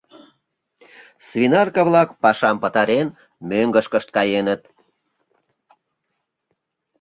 Свинарка-влак, пашам пытарен, мӧҥгышкышт каеныт.